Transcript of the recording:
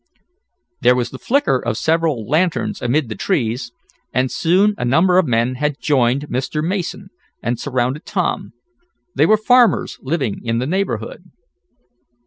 There was the flicker of several lanterns amid the trees, and soon a number of men had joined Mr. Mason, and surrounded Tom. They were farmers living in the neighborhood.